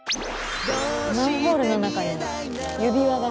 マンホールの中に指輪が。